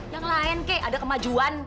yang lain kek ada kemajuan